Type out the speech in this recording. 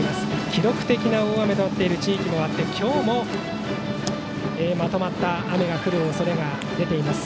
記録的な大雨となっている地域もあって今日もまとまった雨が降る恐れが出ています。